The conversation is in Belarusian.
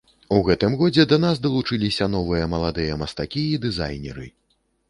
У гэтым годзе да нас далучыліся новыя маладыя мастакі і дызайнеры.